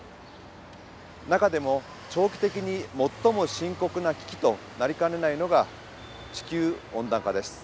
中でも長期的に最も深刻な危機となりかねないのが地球温暖化です。